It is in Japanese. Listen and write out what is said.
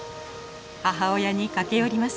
母親に駆け寄ります。